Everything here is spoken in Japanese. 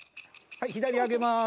はい左上げます。